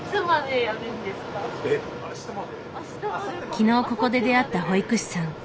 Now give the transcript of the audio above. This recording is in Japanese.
昨日ここで出会った保育士さん。